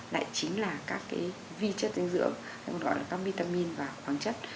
lại chính là các cái vi chất dinh dưỡng gọi là các vitamin và khoáng chất